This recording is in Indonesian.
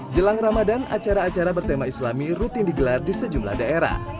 jelang ramadan acara acara bertema islami rutin digelar di sejumlah daerah